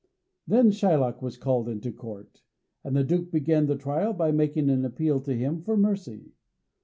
Then Shylock was called into court, and the Duke began the trial by making an appeal to him for mercy.